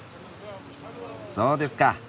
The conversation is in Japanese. そうですか。